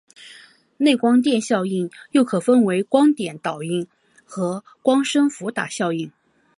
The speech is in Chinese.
内光电效应又可分为光电导效应和光生伏打效应。